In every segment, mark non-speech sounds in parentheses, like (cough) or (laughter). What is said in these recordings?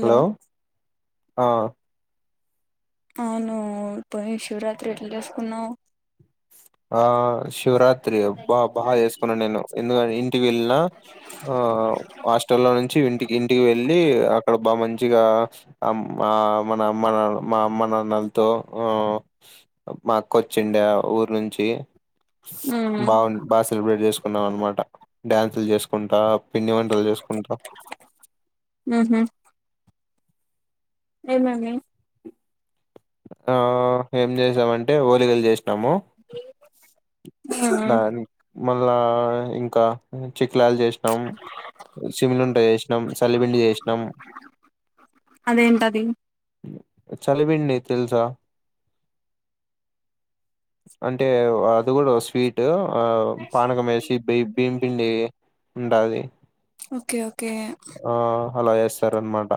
Hello ఆ అవును పోయిన శివరాత్రి ఎట్లా చేసుకునావ్? ఆ శివరాత్రి బా బాగా చేసుకున్నా నేను ఎందుకానీ, ఇంటికి వెళ్ళిన ఆ హాస్టల్లో నుంచి ఇంటికి ఇంటికి వెళ్ళి అక్కడ బాగా మంచిగా ఉమ్ బావ్ మన అమ్మ నాన్నలు మా అమ్మ నాన్నలతో ఆ మా అక్క ఓచిందా? ఊరు నుంచి మ్మ్ బాగుంది బాగా సెలబ్రేట్ చేసుకున్నాం అనమాట. డ్యాన్సులు చేసుకుంటా పిండి వంటలు చేసుకుంటా ఏమమి ఆ ఏం చేసామంటే ఓలిగాలు చేస్ నమో ఉహ్ ఉమ్ మళ్ళా ఇంకా ఉంచి (unintelligible) చేసినాం సున్నుంద చేసినాం సల్లిపిండి చేసినాం అదేంటది ఉమ్ చలివింది తెలుసా? అంటే అది కూడా వస్ వీటు ఆ పానకం వేసి బి బీంపిండి ఉండది ఓకే ఓకే ఆ అలా ఎస్తేర్ అనమాట.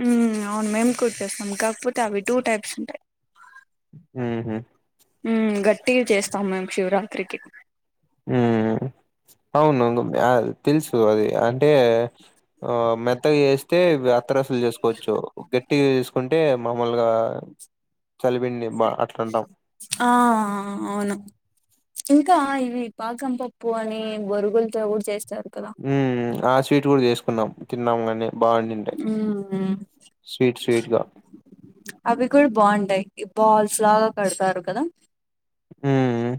ఉమ్ అవును మేము కూడా చేస్తాం కాకపోతే అవి టూ టైప్స్ ఉన్నాయ్ ఉహ్ ఉమ్ ఉమ్ గట్టిగా చేస్తాం మేము శివరాత్రికి. ఉమ్ అవును అది తెలుసు అది అన్ ఏ ఆ మెత్తగా చేస్ అయితే అత్ర ఫిల్ చేసుకోవచ్చు ఒకే టి తీసుకుంటే మామూలుగా చలిపిండి బా అట్లా అంటాం ఆ అవును ఇ క ఇవి పాకం పప్పు అని బొరుగులతో కూడా చేస్ ఉహ్ ఉమ్ ఆ స్వీట్ కూడా చేస్ (unintelligible) తినామా అని ఉహ్ ఉమ్ స్వీట్ స్వీట్ గా అవి కూడా బాగుంటాయ్ బల్స్ లాగా కడతారు కదా? ఉమ్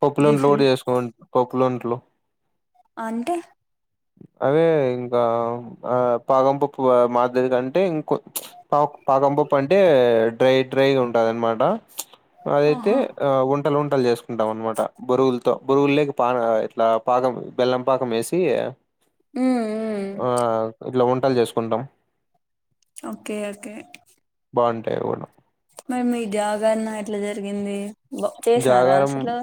పప్పులను లోడ్ డిఫరెంట్ చేసుకోంటాం కోక్లండ్లో అంటే అదే ఇంకా ఆ పాగం పప్పు మాదిరి కంటే ఇంకొ చుప్ పా పాగం పప్పు అంటే డ్రై డ్రైగా ఉంటది అనమాట చుప్ అదైతే ఆహా ఆ ఉన్ వంటలు చేసుకుంటాం అన్నమాట బొరువులతో బొరువులు లేక పా ఇట్లా పాకం బెల్లం పాకం వేసి మ్మ్ మ్మ్ ఆ ఇట్లా ఉంట పట్టలు చేసుకుంటాం (inaudible) ఓకే ఓకే బాగుంటాయి కూడా మరి మీ జాగరణ ఎట్లా జరిగింది చేసారా జాగారం అసలు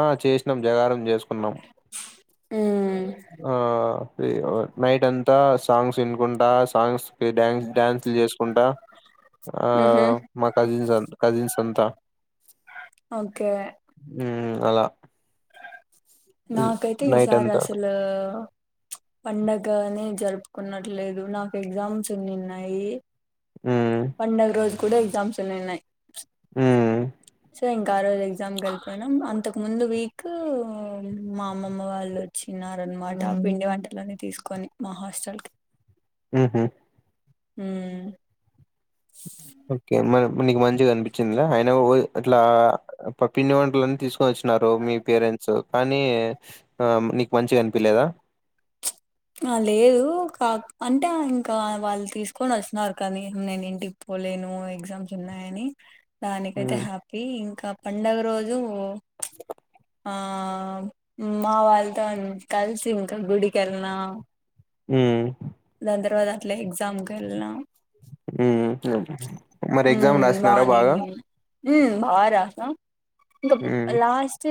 ఆ చేసినమ్ జాగారం చేసుకున్నాం ఉమ్ ఆ నైట్ అంతా సాంగ్స్ వినుకుంటా సాంగ్స్ కి డ్యాన్స్ డ్యాన్సులు చేసుకుంటా ఆ ఉహు మా కజిన్స్ కజిన్స్ అంతా ఓకే ఉమ్ అలా నాకైతే నైట్ ఈసారి అంతా అసలు చుప్ పండగ అనే జరుపుకున్నట్లేదు నాకు ఎగ్జామ్స్ ఎన్ని ఉన్నాయి ఉమ్ పండగ రోజు కూడా ఎగ్జామ్స్ ఉన్న ఉన్నాయి చుప్ (inaudible) ఉమ్ ఇంక ఆ రోజు ఎగ్జామ్ క్ వెళ్లిపోయినాం అంతకు ముందు వీక్ క్ మా అమ్మమ్మ వాళ్ళు వచ్చినార్ అన్నమాట పిండి వంటల్ అన్ని తీసుకొని మా హాస్టల్ కి ఉహు హుమ్ ఓకే మ్యామ్ నీకు మంచిగా అనిపించింద ఆయన ఇట్లా పిండి వంటలన్ని తీసుకొని వచ్చినారు మీ పేరెంట్స్ కానీ నీకు ఆ మంచిగా అనిపిలేదా ఆ లేదు కా అంటే ఇంకా వాళ్ళు తీసుకొని వస్తున్నారు కానీ నేను ఏంటి పోలేను ఎగ్జామ్స్ ఉన్నాయని దానికైతే ఉమ్ హ్యాపీ ఇంకా పండుగ రోజు ఆ మా వాళ్ళతో కలిసి ఇంకా గుడికెల్నా ఉమ్ దాన్ తర్వాత అట్ల ఎగ్జామ్ కన్నా ఉమ్ మరి ఎగ్జామ్ రాసినారా బాగా ఉమ్ బాగా రాసా ఇంకా ఉమ్ లాస్ట్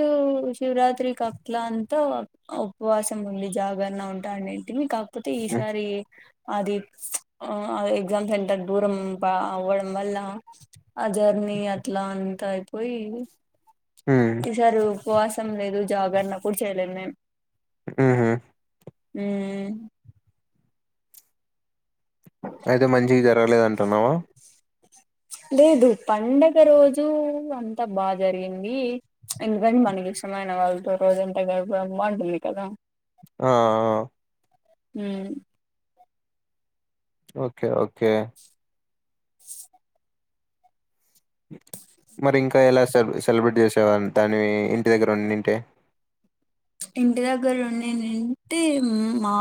శివరాత్రి కక్కల అంతా ఉపవాసం ఉండి జాగరణ ఉంటానేంటిని క పుటిస్ ఉమ్ అది ఎగ్జామ్ సెంటర్ దూరం అవ్వడం వల్ల ఆ జర్నీ అట్లా అంతా అయిపోయి ఉమ్, ఈసరు ఉపవాసం లేదు జాగరనప్పుడు చేయలేదు మేము ఆహా హ్మ్ అయితే మంచిగ జరగలేదు అంటున్నావా లేదు పండగ రోజు అంతా బాగా జరిగింది. ఎందుకంటే మనకి ఇష్టమైన వాళ్ళతో రోజంతా గడపడం బాగుంటుంది కదా! ఆ హ్మ్ ఉ ఓకే ఓకే మరి ఇంకా ఎలా సె సెలబ్రేట్ చేసేవారు దాని ఇంటి దగ్గర ఉండింటే ఇంటి దగ్గర ఉండింటే మా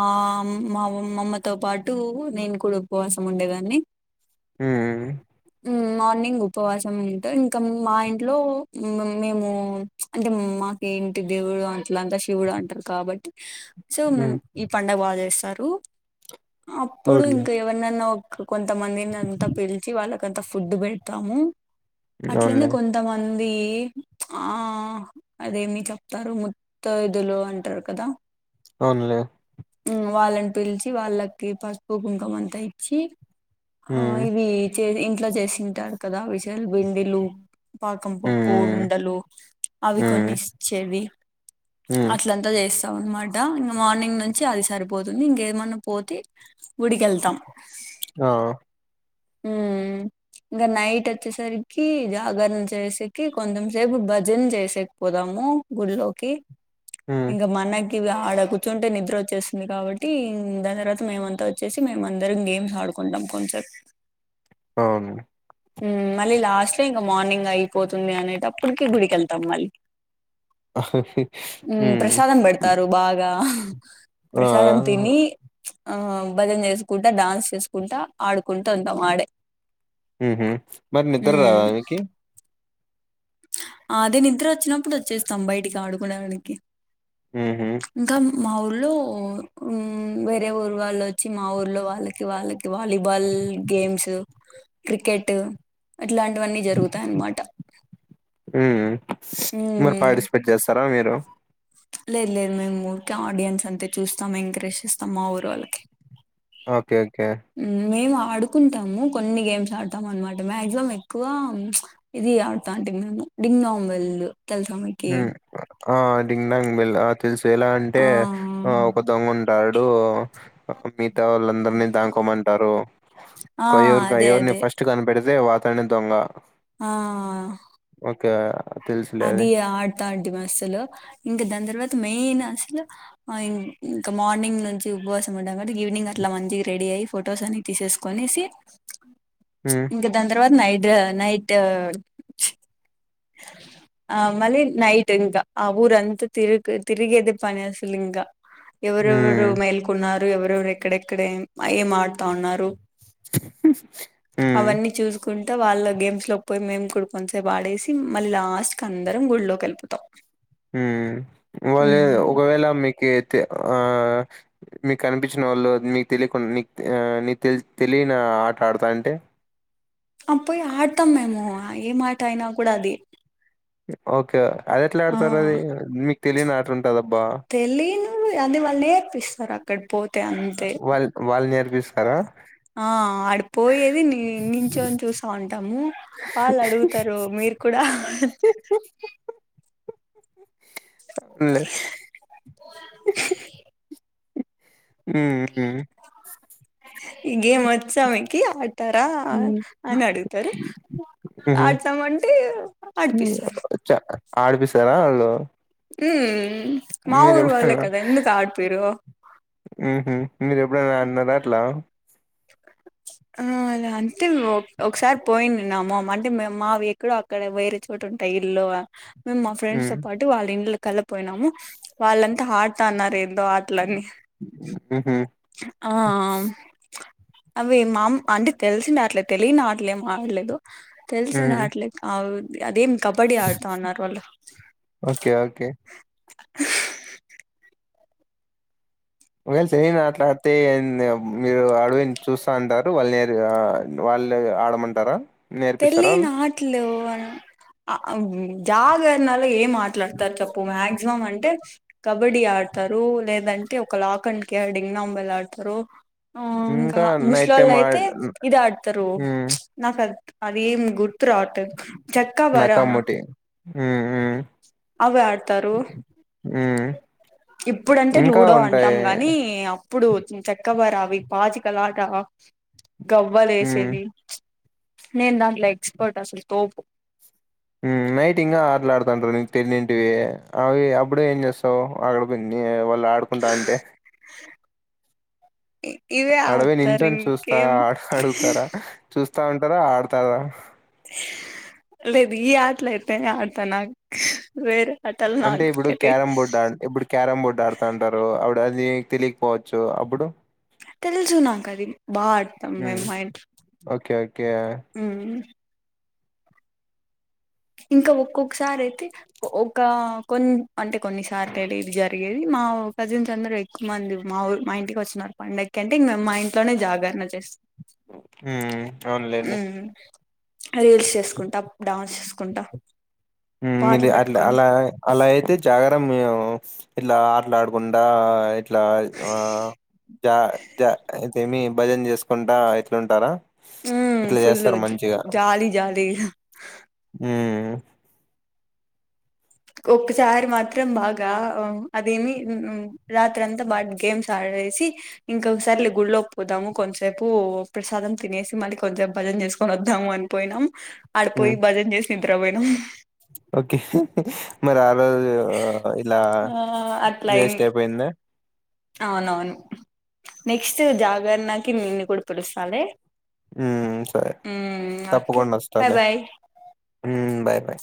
మామ్ అమ్మమ్మతో పాటు నేను కూడా ఉపవాసం ఉండేదాన్ని హు ఉ ఉమ్, మార్నింగ్ ఉపవాసం ఉంటే ఇంకా మా ఇంట్లో మేము అంటే మాక ఇంటి దేవుడు అ అట్లాంతా శివుడు అంటారు కాబట్టి సో ఉమ్ ఈ పండగ బాగా చేస్తారు రు అప్పుడు అవునులే ఇంకా ఎవరినన్నా కొంతమందిని అంతా పిలిచి వాళ్ళకంతా ఫుడ్ పెడతాము. అట్లనే అవునులే కొంతమంద్ దీ ఆ అదేమి చెప్తారు ము త ఇదులు అంటారు కదా అవునులే మ్మ్ వాళ్ళని పిలిచి వాళ్ళకి పసుపు, కుంకుమ అంతా ఇచ్చి ఆ హ్మ్ ఇది ఇంట్లో చేసింటారు కదా విస్ ల బిండిలు పాకం పప్పు హ్మ్ ఉండలు అవి కొన్ని హ్మ్ ఇచ్చేవి హ్మ్ అట్లంతా చేస్ అనమాట ఇంక మార్నింగ్ నుంచి అది సరిపోతుంది. ఇంకేమన్నా పోతే గుడికి వెళ్తాం. ఆ హుమ్ ఇంకా నైట్ వచ్చేసరికి జాగరణ చేసేకి, కొంచం సేపు భజన చేసేకిపోదాము గుళ్లోకి. హ్మ్. ఇంక మనక్ ఇగ ఆడ కూర్చుంటే నిద్ర వచ్చేస్తుంది. కాబట్టి దాని తర్వాత మేమంతా వచ్చేసి మేము అందరం గేమ్స్ ఆడుకుంటాం కొంచెం. అవును మళ్ళీ లాస్ట్ లో ఇంకా మార్నింగ్ అయిపోతుంది. అనేటప్పటికి గుడికి వెళ్తాం మళ్ళీ. హ్మ్. ప్రసాదం పెడతారు బాగా ఆ! ప్రసాదం తిని ఆ భజన చేసుకుంటా, డాన్స్ చేసుకుంటా ఆడుకుంటా ఉంటాం ఆడే ఏదీ మరి నిద్ర ఉమ్, రాదా నీకి అదే నిద్ర వచ్చినప్పుడు వచ్చేస్తాం బయటికి ఆడుకోడానికి హుహు. ఇంకా మా ఊర్లో వేరే ఊరు వాళ్ళు వచ్చి మా ఊర్లో వాళ్ళకి వాళ్ళకి వాలీబాల్ గేమ్స్, క్రికెట్ ఇట్లాంటివన్నీ జరుగుతాయి అన్నమాట మీరు మరి హ్మ్ పార్టిసిపేట్ చేస్తారా మీరు లేదు లేదు మేము ఊరికి ఆడియన్స్ అంతే చూస్తాం. ఎంకరేజ్ చేస్తాం మా ఊరు వాళ్ళకి ఓకే ఓకే ఉమ్, మేము ఆడుకుంటాము కొన్ని గేమ్స్ ఆడతాము అనమాట మాక్సిమం ఎక్కువ ఇది ఆడుతా అంటే మేము డింగ్ డాంగ్ బెల్ తెల్సా మీకి హ్మ్. ఆ డింగ్ డాంగ్ బెల్ తెలుసు ఎలా అంటే ఆ ఆ ఒక దొంగ ఉంట టాడు మిగతా వాళ్ళందరినీ దాంకోమంటారు. ఆ కొయ్యరు అదే కోయర్ని అదే ఫస్ట్ కనిపెడి తే అతనే దొంగ ఆ ఇకా అది ఆ డ్ తాంటిమి అసలు ఇంకా దాని తర్వాత మెయిన్ అసలు ఇంకా మార్నింగ్ నుంచి ఉపవాసం ఉన్నప్పటికీ ఈవినింగ్ అట్లా మంచిగా రెడీ అయి ఫొటోస్ అన్ని తీసేసుకొనేసి హ్మ్. ఇంక దాని తర్వాత నై ట్ నైట్ ఆ మళ్ళీ నైట్ ఇంక ఆ ఊరంతా తిరిగి తిరిగేది పని అసలు ఇంకా ఎవరెవరు హ్మ్. మేల్కొన్న ఎవరెరు ఎక్కడెక్కడ ఏం ఆడ్ తాన్నారు. హ్మ్. అవన్నీ చూసుకుంట వాళ్ళ గేమ్స్ లోకి పోయి మేము కూడా కొంసేపు ఆడేసి మళ్ళీ లాస్ట్ కి అందరం గుళ్ళోకి వెళ్ళిపోతాం మ్మ్ వాళ్ళ ఉహు. ఒకవేళ మీకి ఆ మీకు కనిపించిన వాళ్ళు నీకు తెలియకుండా నీకు నీకు తె తెలియని ఆట ఆడతానంటే అ పోయి ఆడతాం మేము ఏం ఆట అయినా అప్పుడు అది ఓకే అది ఎట్ల ఆ ఆడతారు అది మీకు తెలియని ఆట ఉంటదబ్బా తెలియను అది వాళ్ళు నేర్పిస్తారు అక్కడ పోతే అంతే అంతే వాళ్ళు వాళ్ళు నేర్పిస్తారా? ఆ ఆడిపోయేది ని నించోని చూసా ఉంటాము వాళ్ళు అడుగుతారు మీరు కూడా లే ఉ ఇ ఈ గేమ్ వచ్చామకి ఆడతారా హ్మ్. అని అడుగుతారు హ్మ్. హుహు. ఆడతాము అంటే ఆడిపిస్తారు చ ఆడిపిస్తారా వాళ్ళు హ్మ్. మా మీర ఊరు వాళ్ళే ఎప్పుడనా కదా ఎందుకు ఆడిపిరు ఉహు మీరు ఎప్పుడైనా ఆదినారా అట్లా అలా అంటే ఒకసారి పోయి నిన్నాము అంటే మావి ఎక్కడో అక్కడ వేరే చోటు ఉంటాయి ఇల్లు మేము మా ఫ్రెండ్స్ తో హ్మ్. పాటు వాళ్ళ ఇండ్ల కళ్లపోయినాము వాళ్ళంతా హట్ అన్నారు ఎందో ఆట్లాని హుహు. ఆ అవి మామ్ అంటే తెలిసిన ఆటలే తెలియని ఆటలేం ఆడలేదు తెల్సిన హ్మ్. ఆటలే అవి అదేం కబడ్డీ ఆడుతనారు వాళ్ళు ఓకే. ఓకే. ఒకవేళ తెలియని ఆటలు ఆడితే మీరు అడువి చూస్తా అంటారు వాళ్ళు నేరుగా వాళ్ళు ఆడమంటారా నేర్పిస్తారా పెళ్లి వాళ్ళు నాట్లు అ జాగరణలో ఏం మాట్లాడతారు చెప్పు మాక్సిమం అంటే కబడ్డీ ఆడతారు లేదంటే ఒక లాక్ అండ్ కేర్ డింగ్నాంబలు ఆడతారు ఇంకా నైట్ ముసలోళ్ళు టైమ్ ఆ అయితే ఇది ఆడతారు హ్మ్. నా కది అదెం గు గుర్తు రావట్లేదు చెక్క బరాన ఉ అవి ఆడతారు హ్మ్. ఇప్పుడంటే ఇంకా లూడో అంటాం ఉంటాయి. గానీ ఇప్పుడు చక్కవరా అవి పాచికల కావచ్చు హ్మ్. గవ్వలేసేది నేను దాంట్ల ఎక్స్పర్ట్ అసలు తోపు నైట్ ఇంగా ఆటలు ఆడుతంటరు నీకు తెన్నింటివి అవి అప్పుడు ఏం చేస్తావు అక్కడ కొన్ని వాళ్ళు ఆడుకుంటా అంటే ఇవే అడవోయి ఆడతారు నిలుచొని చూస్తా ఇంకేం ఆట అడుగుతారా చూస్తా ఉంటారా ఆడతారా లేదు ఈ ఆటలు అయితే ఆడతా నాకు వేరే ఆటలు అంటే నాకు ఇప్పుడు తెలీదు క్యారం బోర్డు ఆ ఇప్పుడు క్యారం బోర్డు ఆడుతాంటారు అప్పుడు అది తెలికపోవచ్చు అప్పుడు తెలుసు నాకు అది బాగా అడతాం మేము హ్మ్. మా ఇంట్లో ఓకే. ఓకే. హు ఇంకా ఒక్కొక్కసారి అయితే ఒక కొన్ అంటే కొన్నిసర్టడే జరిగేది మా కజిన్స్ అందరు ఎక్కువ మంది మా ఊ మా ఇంటికి వచ్చన్నారు పండగకి అంటే ఇంగ మా ఇంట్లోనే జాగరణ చేస్త హు అవునులేండి ఉమ్ రీల్స్ చేసుకుంటా డాన్స్ చేసు కుంటా హు మీది అట్లా అలా అలా అయితే జాగర మామ్ ఇట్లా ఆడుకుంటా ఇట్లా ఆ జ జ ఇది మి భజన చేసుకుంటా ఇట్లుంటారా హు ఇట్లా ఫుల్ చేస్తారు జాలి జాలి హు ఒక్కసారి మాత్రం బాగా అదేమి రాత్రి అంతా బా గేమ్స్ ఆడేసి ఇంకొకసారి గుళలోకి పోదాము కొంతసేపు ప్రసాదం తినేసి మళ్ళీ కొంతసేపు భజన చేసుకొని వద్దాము అని పోయినాం ఆడపోయి హ్మ్. బజన్ చేస్ నిద్ర పోయినం ఓకే మరి ఆ ఆ ఇలా ఆ అట్లా వేస్ట్ అయింది అయిపోయింద అవునవును నెక్స్ట్ జాగరణకి నిేన్ని కూడా పిలుస్తాలే హు సరే ఉమ్, ఓకే తప్పుకుండా వస్తా బాయ్ లే బాయ్ హు బాయ్ బాయ్